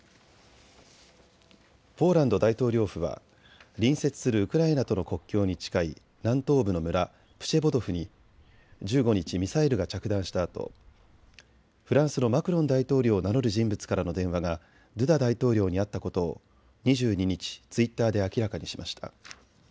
ポーランド大統領府は隣接するウクライナとの国境に近い南東部の村、プシェボドフに１５日、ミサイルが着弾したあとフランスのマクロン大統領を名乗る人物からの電話がドゥダ大統領にあったことを２２日、ツイッターで明らかにしました。